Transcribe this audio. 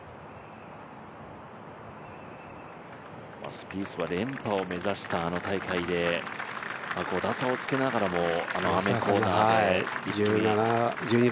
スピースは連覇を目指したあの大会で５打差をつけながらもあのアーメンコーナーで一気に。